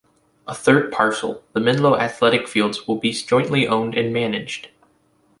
A third parcel, the Menlo Athletic Fields, will still be jointly owned and managed.